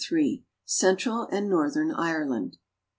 CENTRAL AND NORTHERN IRELAND.